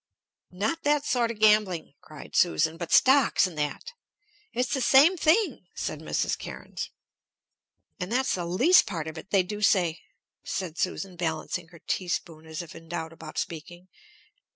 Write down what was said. "Not that sort of gambling!" cried Susan. "But stocks and that." "It's the same thing," said Mrs. Cairnes. "And that's the least part of it! They do say" said Susan, balancing her teaspoon as if in doubt about speaking.